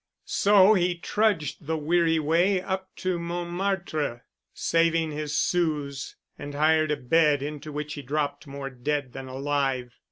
So he trudged the weary way up to Montmartre, saving his sous, and hired a bed into which he dropped more dead than alive.